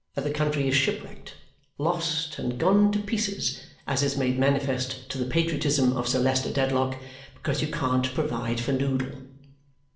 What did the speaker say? That the country is shipwrecked, lost, and gone to pieces (as is made manifest to the patriotism of Sir Leicester Dedlock) because you can't provide for Noodle!